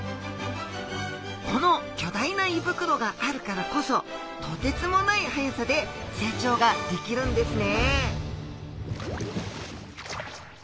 この巨大な胃袋があるからこそとてつもないはやさで成長ができるんですね